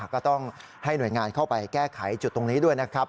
ก็ต้องให้หน่วยงานเข้าไปแก้ไขจุดตรงนี้ด้วยนะครับ